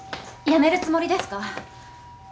辞めるつもりですか？